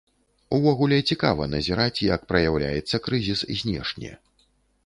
Увогуле, цікава назіраць, як праяўляецца крызіс знешне.